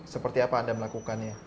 seperti apa anda melakukannya